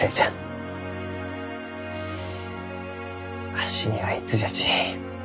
わしにはいつじゃち